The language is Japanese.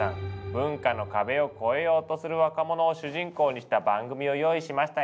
文化の壁を越えようとする若者を主人公にした番組を用意しましたよ。